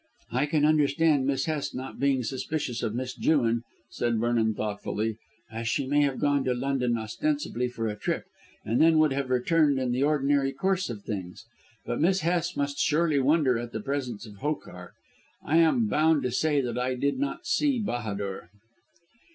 "I can understand Miss Hest not being suspicious of Miss Jewin," said Vernon thoughtfully, "as she may have gone to London ostensibly for a trip and then would have returned in the ordinary course of things. But Miss Hest must surely wonder at the presence of Hokar. I am bound to say that I did not see Bahadur."